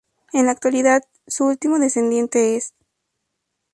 En la actualidad, su último descendiente es.